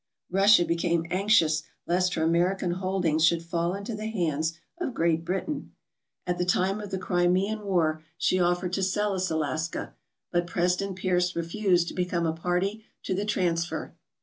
Russia became anxious lest her American holdings should fall into the hands of Great Britain, At the time of the Crimean War she offered to sell us Alaska, 38 THE STORY OF "SEWARD'S ICE BOX" but President Pierce refused to become a party to the trans fer.